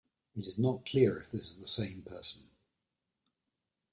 It is not clear if this is the same person.